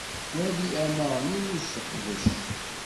Wali amaɣnu n useqdac:.